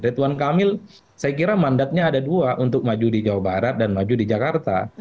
ridwan kamil saya kira mandatnya ada dua untuk maju di jawa barat dan maju di jakarta